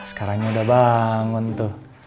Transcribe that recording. askaranya udah bangun tuh